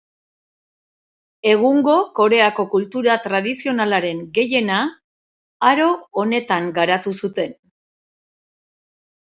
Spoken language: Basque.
Egungo Koreako kultura tradizionalaren gehiena aro honetan garatu zuten.